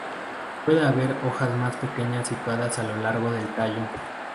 Puede haber hojas más pequeñas situadas a lo largo del tallo.